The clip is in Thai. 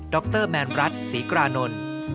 รแมนรัฐศรีกรานนท์